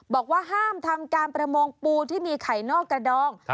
บอกว่าห้ามทำการประมงปูที่มีไข่นอกกระดอง